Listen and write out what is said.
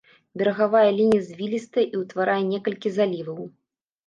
Берагавая лінія звілістая і ўтварае некалькі заліваў.